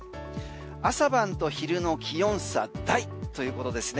朝晩と昼の気温差大ということですね。